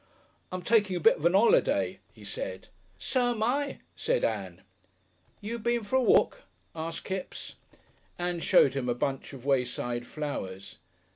"I'm taking a bit of a 'oliday," he said. "So'm I," said Ann. "You been for a walk?" asked Kipps. Ann showed him a bunch of wayside flowers.